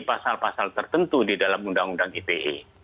pasal pasal tertentu di dalam undang undang ite